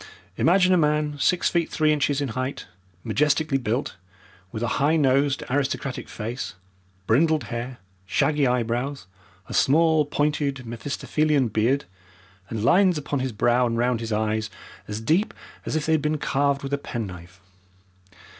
Imagine a man six feet three inches in height, majestically built, with a high nosed, aristocratic face, brindled hair, shaggy eyebrows, a small, pointed Mephistophelian beard, and lines upon his brow and round his eyes as deep as if they had been carved with a penknife.